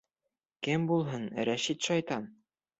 Кем булһын, Рәшит шайтан.